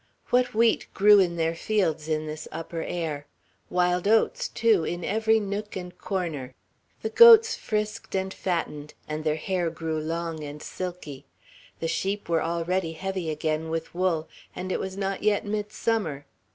What wheat grew in their fields in this upper air! Wild oats, too, in every nook and corner. The goats frisked and fattened, and their hair grew long and silky; the sheep were already heavy again with wool, and it was not yet midsummer.